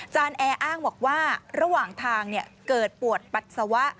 แอร์อ้างบอกว่าระหว่างทางเกิดปวดปัสสาวะ